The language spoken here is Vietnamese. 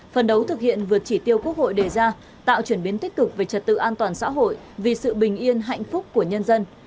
phần đấu thực hiện vượt chỉ tiêu quốc hội đề ra tạo chuyển biến tích cực về trật tự an toàn xã hội vì sự bình yên hạnh phúc của nhân dân